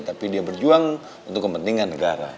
tapi dia berjuang untuk kepentingan negara